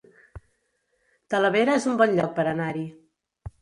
Talavera es un bon lloc per anar-hi